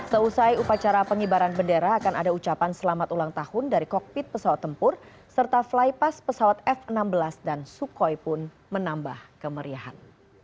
seusai upacara pengibaran bendera akan ada ucapan selamat ulang tahun dari kokpit pesawat tempur serta flypass pesawat f enam belas dan sukhoi pun menambah kemeriahan